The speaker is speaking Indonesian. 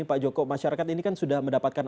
pak joko masyarakat ini kan sudah mendapatkan